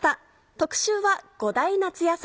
特集は５大夏野菜。